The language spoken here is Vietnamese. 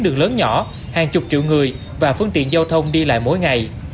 đường lớn nhỏ hàng chục triệu người và phương tiện giao thông đi lại mỗi ngày